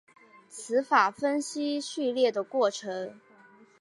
词法分析序列的过程。